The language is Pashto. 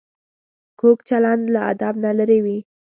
کوږ چلند له ادب نه لرې وي